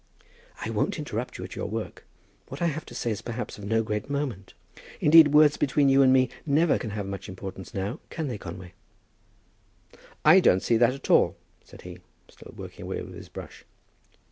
"I won't interrupt you at your work. What I have to say is perhaps of no great moment. Indeed, words between you and me never can have much importance now. Can they, Conway?" "I don't see that at all," said he, still working away with his brush.